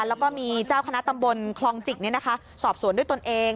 แล้วก็มีเจ้าคณะตำบลคลองจิกสอบสวนด้วยตนเอง